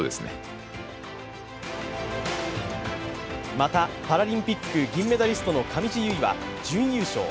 また、パラリンピック銀メダリストの上地結衣は準優勝。